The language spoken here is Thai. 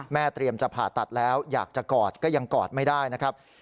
เตรียมจะผ่าตัดแล้วอยากจะกอดก็ยังกอดไม่ได้นะครับ